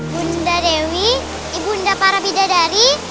bunda dewi ibu unda para bidadari